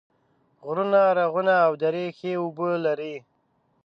غرونه، رغونه او درې ښې اوبه لري